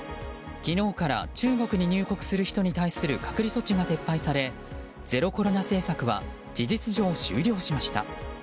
昨日から、中国に入国する人に対する隔離措置が撤廃されゼロコロナ政策は事実上終了しました。